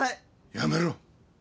やめろ。